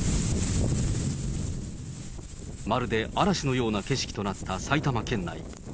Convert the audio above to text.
まるで嵐のような景色となった埼玉県内。